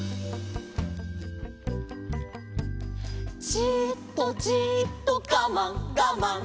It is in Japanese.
「じーっとじーっとガマンガマン」